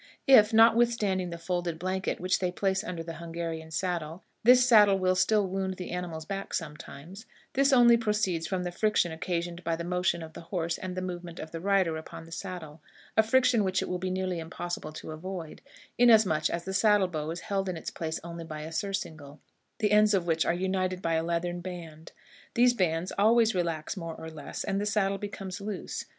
If, notwithstanding the folded blanket which they place under the Hungarian saddle, this saddle will still wound the animal's back sometimes, this only proceeds from the friction occasioned by the motion of the horse and the movement of the rider upon the saddle; a friction which it will be nearly impossible to avoid, inasmuch as the saddle bow is held in its place only by a surcingle, the ends of which are united by a leathern band: these bands always relax more or less, and the saddle becomes loose.